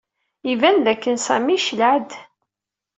Iban dakken Sami yecleɛ-d.